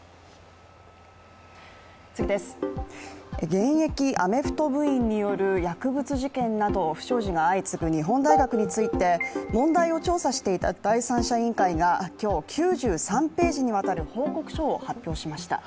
現役アメフト部員による薬物事件など不祥事が相次ぐ日本大学について問題を調査していた第三者委員会が今日、９３ページにわたる報告書を発表しました。